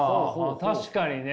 確かにね。